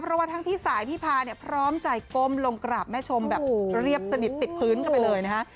เพราะว่าทั้งพี่สายพี่พาเนี่ยพร้อมใจก้มลงกราบแม่ชมแบบเรียบสนิทติดพื้นกันไปเลยนะฮะ